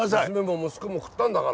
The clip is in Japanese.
娘も息子も食ったんだから。